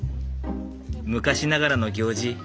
昔ながらの行事